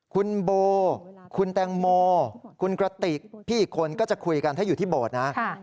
คุณโบคุณแตงโมคุณกระติกพี่อีกคนก็จะคุยกันถ้าอยู่ที่โบสถ์นะ